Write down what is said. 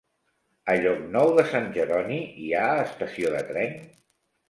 A Llocnou de Sant Jeroni hi ha estació de tren?